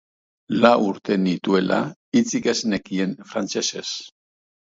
Lau urte nituela, hitzik ez nekien frantsesez.